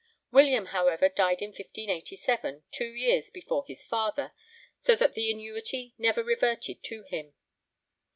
William, however, died in 1587, two years before his father, so that the annuity never reverted to him.